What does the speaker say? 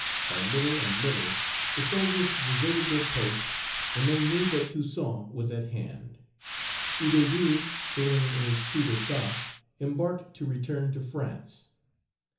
By little and little, the soldiers deserted their posts when they knew that Toussaint was at hand. Hédouville, failing in his coup d'état, embarked to return to France.